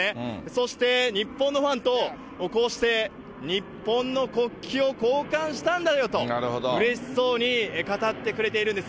そして日本のファンと、こうして日本の国旗を交換したんだよと、うれしそうに語ってくれているんです。